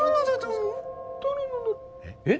えっ？